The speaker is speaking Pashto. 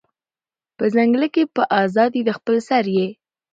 په ځنگله کی به آزاد یې د خپل سر یې